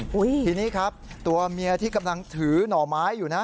ทีนี้ครับตัวเมียที่กำลังถือหน่อไม้อยู่นะฮะ